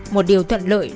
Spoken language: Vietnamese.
một điều thuận lợi